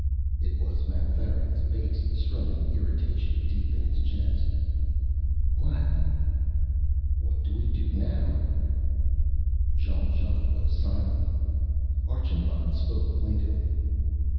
It was Mapfarity's bass, strumming irritation deep in his chest. "What?" "What do we do now?" Jean Jacques was silent. Archambaud spoke plaintively.